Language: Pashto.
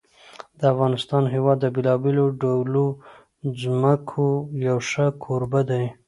د افغانستان هېواد د بېلابېلو ډولو ځمکو یو ښه کوربه دی.